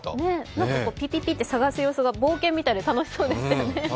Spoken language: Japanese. ピピピッと探す様子が冒険みたいで楽しそうでしたよね。